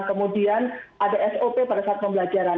kemudian ada sop pada saat pembelajaran